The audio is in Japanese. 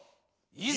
いざ！